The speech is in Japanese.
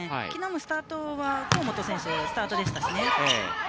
昨日もスタートは河本選手スタートでしたし。